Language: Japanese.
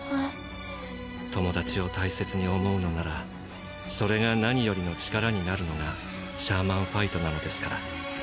友達を大切に思うのならそれが何よりの力になるのがシャーマンファイトなのですから。